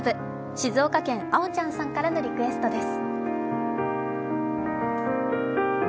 静岡県、あおちゃんさんからのリクエストです。